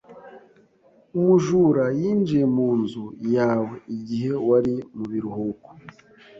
Umujura yinjiye mu nzu yawe igihe wari mu biruhuko.